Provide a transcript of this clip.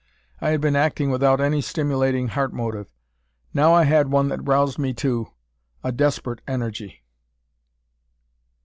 I had been acting without any stimulating heart motive; now I had one that roused me to, a desperate energy.